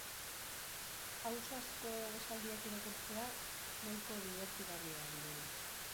Ausazko esaldiak irakurtzea nahiko dibertigarria dirudi.